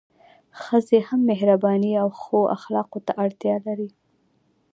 ښځي هم مهربانۍ او ښو اخلاقو ته اړتیا لري